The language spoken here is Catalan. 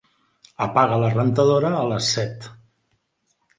Apaga la rentadora a les set.